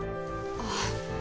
ああ。